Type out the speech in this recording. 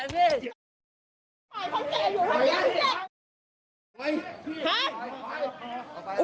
และวัดดีขวยกับเด็กของคนเก่าผม